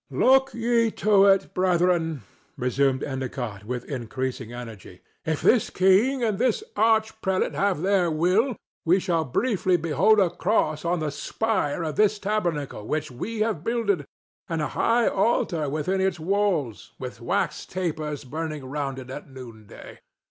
"Look ye to it, brethren," resumed Endicott, with increasing energy. "If this king and this arch prelate have their will, we shall briefly behold a cross on the spire of this tabernacle which we have builded, and a high altar within its walls, with wax tapers burning round it at noon day.